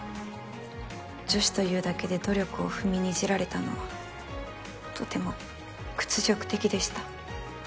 女子というだけで努力を踏みにじられたのはとても屈辱的でした。